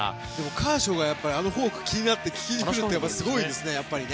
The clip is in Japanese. カーショウがあのフォーク気になって、聞きに来るってすごいですね。